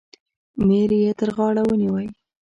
میر یې تر غاړه ونیوی.